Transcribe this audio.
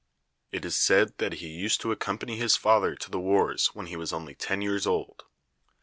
It is said that he used to accompany his father to the wars when he was only ten years old.